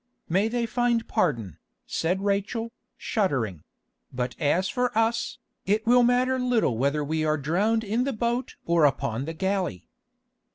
"May they find pardon," said Rachel, shuddering; "but as for us, it will matter little whether we are drowned in the boat or upon the galley."